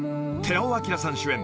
［寺尾聰さん主演。